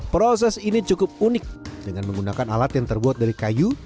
proses ini cukup unik dengan menggunakan alat yang terbuat dari kayu